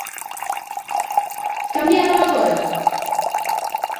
¿Cambiaron agora?